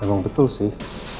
emang betul sih